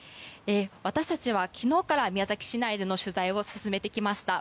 私たちは昨日から宮崎市内での取材を続けてきました。